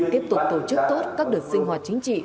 tiếp tục tổ chức tốt các đợt sinh hoạt chính trị